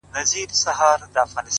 روغ زړه درواخله خدایه بیا یې کباب راکه؛